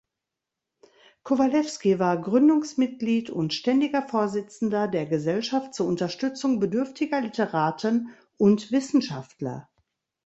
Kowalewski war Gründungsmitglied und ständiger Vorsitzender der Gesellschaft zur Unterstützung bedürftiger Literaten und Wissenschaftler.